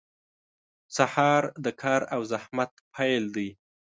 • سهار د کار او زحمت پیل دی.